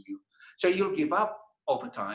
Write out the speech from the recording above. jadi anda akan menyerah sepanjang waktu